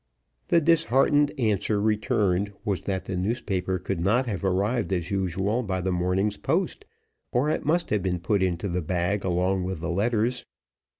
The disheartening answer returned was that the newspaper could not have arrived as usual by the morning's post, or it must have been put into the bag along with the letters.